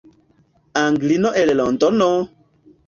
Anglino el Londono!